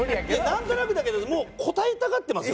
なんとなくだけどもう答えたがってますよね？